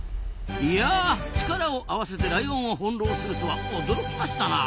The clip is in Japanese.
いや力を合わせてライオンを翻弄するとは驚きましたな。